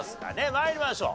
参りましょう。